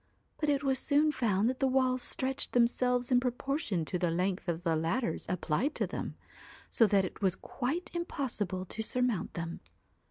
But it was soon found that the walls stretched themselves in proportion to the length of the ladders applied to them, so that it was quite impossible to surmount them.